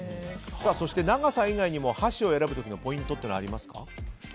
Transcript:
長さ以外にも、箸を選ぶ時のポイントはありますか？